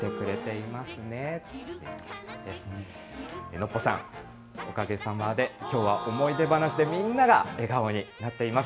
ノッポさん、おかげさまできょうは思い出話でみんなが笑顔になっています。